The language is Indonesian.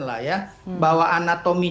lah ya bahwa anatomi